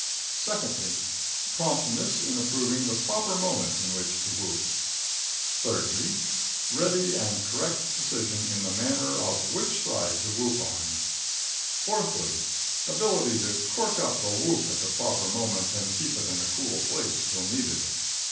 Secondly Promptness in improving the proper moment in which to whoop. Thirdly Ready and correct decision in the matter of which side to whoop on. Fourthly Ability to cork up the whoop at the proper moment and keep it in a cool place till needed.